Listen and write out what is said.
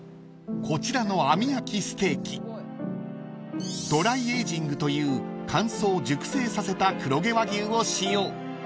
［こちらの網焼きステーキドライエイジングという乾燥・熟成させた黒毛和牛を使用］